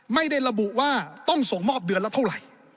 ไม่ได้ระบุว่าต้องส่งมอบเดือนละเท่าไหร่